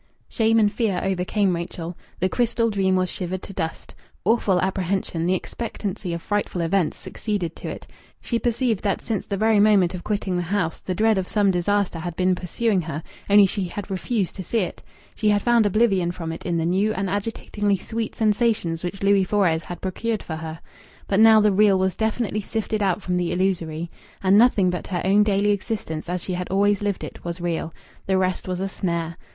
Shame and fear overcame Rachel. The crystal dream was shivered to dust. Awful apprehension, the expectancy of frightful events, succeeded to it. She perceived that since the very moment of quitting the house the dread of some disaster had been pursuing her; only she had refused to see it she had found oblivion from it in the new and agitatingly sweet sensations which Louis Fores had procured for her. But now the real was definitely sifted out from the illusory. And nothing but her own daily existence, as she had always lived it, was real. The rest was a snare.